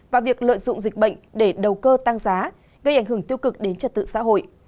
và việc lợi dụng dịch bệnh để đầu cơ tăng giá gây ảnh hưởng tiêu cực đến trật tự xã hội